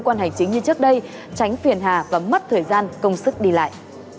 và chính như trước đây tránh phiền hà và mất thời gian công sức đi lại